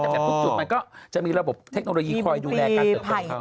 แต่ก็จากทุกจุดไปก็จะมีระบบเทคโนโลยีคอยดูแลกันตัวเอง